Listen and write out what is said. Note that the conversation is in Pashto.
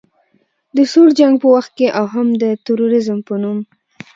د سوړ جنګ په وخت کې او هم د تروریزم په نوم